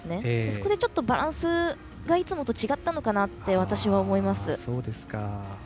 そこでバランスがいつもと違ったのかなと私は思います。